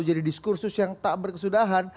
jadi diskursus yang tak berkesudahan